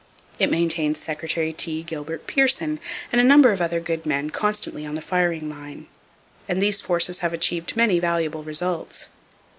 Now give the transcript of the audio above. It maintains Secretary T. Gilbert Pearson and a number of other good men constantly on the firing line; and these forces have achieved many valuable results.